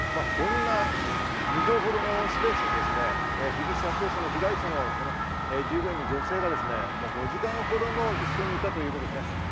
こんな２畳ほどのスペースに被疑者とその被害者の従業員の女性が５時間ほども一緒にいたということですね。